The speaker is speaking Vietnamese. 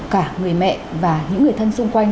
cả người mẹ và những người thân xung quanh